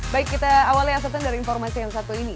baik kita awali asatan dari informasi yang satu ini